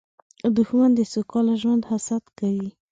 دښمن د سوکاله ژوند حسد کوي